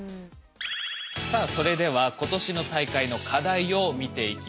さあそれでは今年の大会の課題を見ていきましょう。